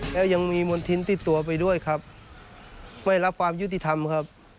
แล้วยังมีมณฑินติดตัวไปด้วยครับไม่รับความยุติธรรมครับ